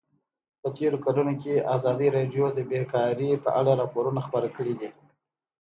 په تېرو کلونو کې ازادي راډیو د بیکاري په اړه راپورونه خپاره کړي دي.